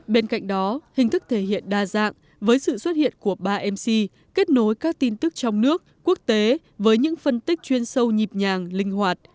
bên cạnh đó hình thức thể hiện đa dạng với sự xuất hiện của ba mc kết nối các tin tức trong nước quốc tế với những phân tích chuyên sâu nhịp nhàng linh hoạt